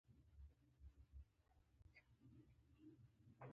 لاسونه د ژوند سفر ته لار کوي